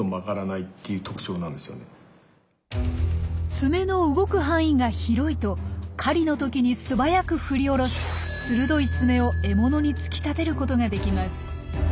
ツメの動く範囲が広いと狩りの時に素早く振り下ろし鋭いツメを獲物に突き立てることができます。